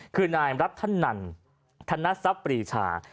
คือนายรับท่านนั่นทนัสปรีชา